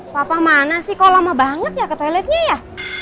papa mana sih kok lama banget ya ke toiletnya ya